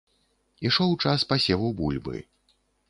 Ішоў час пасеву бульбы.